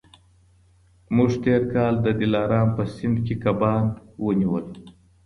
موږ تېر کال د دلارام په سیند کي کبان ونیول.